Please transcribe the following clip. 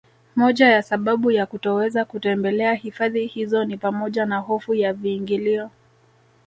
Moja ya sababu ya kutoweza kutembelea hifadhi hizo ni pamoja na hofu ya viingilio